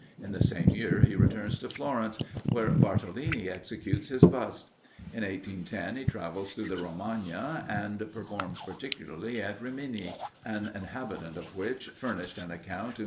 In the same year he returns to Florence, where Bartolini executes his bust. In 1810, he travels through the Romagna, and performs particularly at Rimini, an inhabitant of which furnished an account to M.